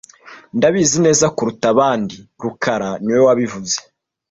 Ndabizi neza kuruta abandi rukara niwe wabivuze